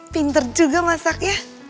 pinter juga masaknya